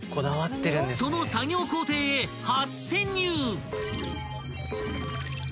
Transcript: ［その作業工程へ初潜入！］